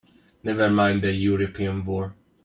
Never mind the European war!